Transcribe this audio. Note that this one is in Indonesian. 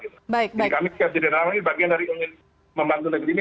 jadi kami siap jadi relawan ini bagian dari ingin membantu negeri ini